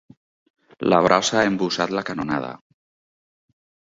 La brossa ha embussat la canonada.